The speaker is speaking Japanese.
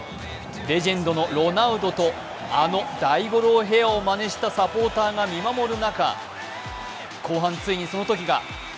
レジェンドのロナウドとあの大五郎ヘアをまねしたサポーターが見守る中、後半ついにそのときが。